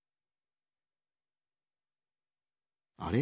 あれ？